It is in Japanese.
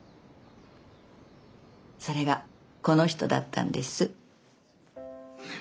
それがこの人だったんです。